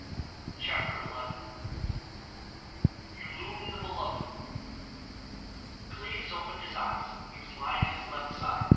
CHAPTER XI YULUN THE BELOVED Cleves opened his eyes. He was lying on his left side.